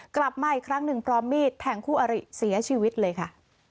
กลับมาอีกครั้งหนึ่งพร้อมมีดแทงคู่อริเสียชีวิตเลยค่ะ